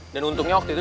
dan untungnya waktu itu